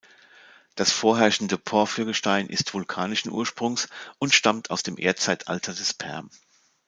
Das vorherrschende Porphyr-Gestein ist vulkanischen Ursprungs und stammt aus dem Erdzeitalter des Perm.